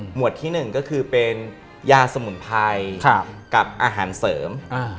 วดที่หนึ่งก็คือเป็นยาสมุนไพรกับอาหารเสริม